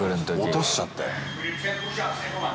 落としちゃったよ。